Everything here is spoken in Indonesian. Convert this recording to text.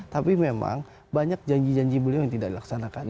tapi memang banyak janji janji beliau yang tidak dilaksanakan